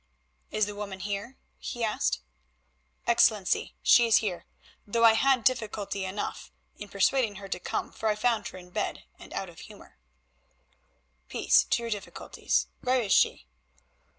"Is the woman here?" he asked. "Excellency, she is here, though I had difficulty enough in persuading her to come, for I found her in bed and out of humour." "Peace to your difficulties. Where is she?"